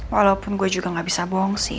walaupun gue juga gak bisa bohong sih